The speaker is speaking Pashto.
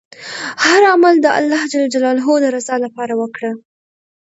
هر عمل د الله ﷻ د رضا لپاره وکړه.